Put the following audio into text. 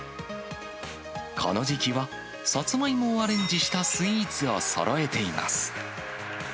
この時期は、サツマイモをアレンジしたスイーツをそろえています。